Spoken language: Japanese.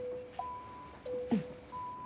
うん。